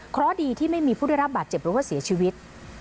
เพราะดีที่ไม่มีผู้ได้รับบาดเจ็บหรือว่าเสียชีวิต